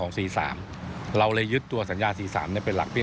โดยรฟทจะประชุมและปรับแผนให้สามารถเดินรถได้ทันในเดือนมิถุนายนปี๒๕๖๓